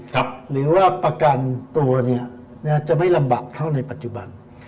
หรือว่าประกันตัวจะไม่ลำบากเท่าในปัจจุบัน